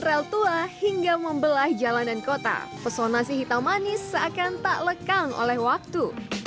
jalan jalan kota personasi hitam manis seakan tak lekang oleh waktu